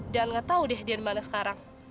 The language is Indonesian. dan gak tau deh dia dimana sekarang